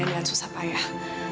yang dengan susah payah